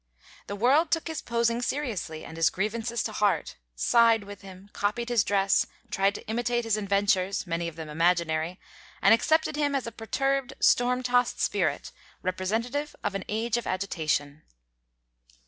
The world took his posing seriously and his grievances to heart, sighed with him, copied his dress, tried to imitate his adventures, many of them imaginary, and accepted him as a perturbed, storm tost spirit, representative of an age of agitation. [Illustration: LORD GEORGE GORDON BYRON.